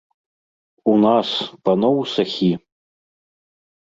У нас, паноў сахі!